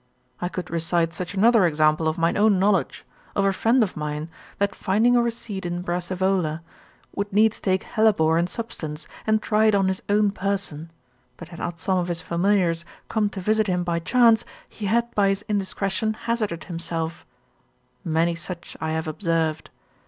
I could recite such another example of mine own knowledge, of a friend of mine, that finding a receipt in Brassivola, would needs take hellebore in substance, and try it on his own person; but had not some of his familiars come to visit him by chance, he had by his indiscretion hazarded himself: many such I have observed.